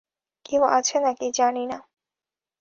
কেউ আছে নাকি জানি না।